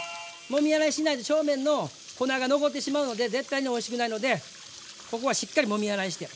もみ洗いしないと表面の粉が残ってしまうので絶対においしくないのでここはしっかりもみ洗いして。